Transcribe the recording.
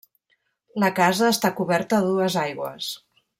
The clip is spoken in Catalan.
La casa està coberta a dues aigües.